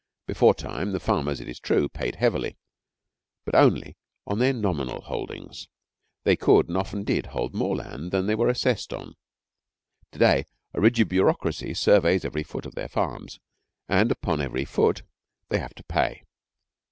Beforetime, the farmers, it is true, paid heavily, but only, on their nominal holdings. They could, and often did, hold more land than they were assessed on. Today a rigid bureaucracy surveys every foot of their farms, and upon every foot they have to pay.